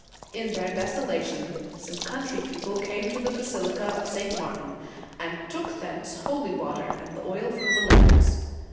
In their desolation, some country people came to the basilica of St. Martin, and took thence holy water, and the oil from the lamps.